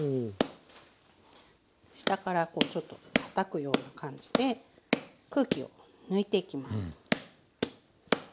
下からこうちょっとたたくような感じで空気を抜いていきます。